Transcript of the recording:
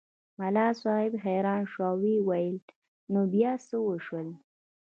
ملا صاحب حیران شو او ویې ویل نو بیا څه وشول.